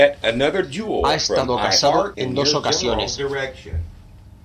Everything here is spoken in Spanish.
Ha estado casado en dos ocasiones.